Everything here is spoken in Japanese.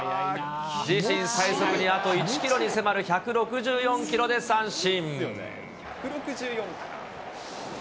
自身最速にあと１キロに迫る１６４キロで三振。